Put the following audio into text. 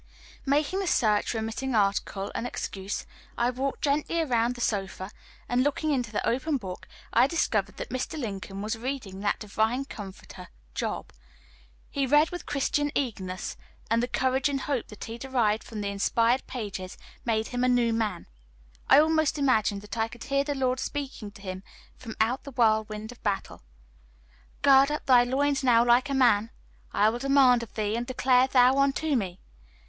Making the search for a missing article an excuse, I walked gently around the sofa, and looking into the open book, I discovered that Mr. Lincoln was reading that divine comforter, Job. He read with Christian eagerness, and the courage and hope that he derived from the inspired pages made him a new man. I almost imagined that I could hear the Lord speaking to him from out the whirlwind of battle: "Gird up thy loins now like a man: I will demand of thee, and declare thou unto me."